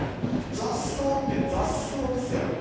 雑草って雑草ですやんか。